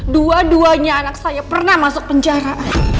dua duanya anak saya pernah masuk penjara